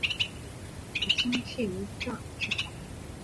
母亲是于大之方。